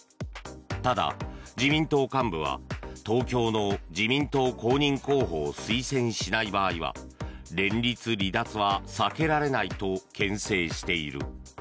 ただ、自民党幹部は東京の自民党公認候補を推薦しない場合は連立離脱は避けられないとけん制している。